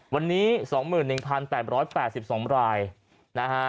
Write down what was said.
วันนี้สองหมื่นหนึ่งพันแปดร้อยแปดสิบสองรายนะฮะ